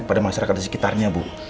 kepada masyarakat di sekitarnya bu